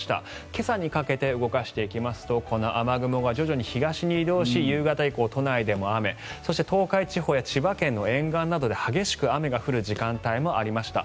今朝にかけて動かしていきますとこの雨雲が徐々に東に移動し夕方以降都内でも雨そして東海地方や千葉県沿岸などで激しく雨が降る時間帯もありました。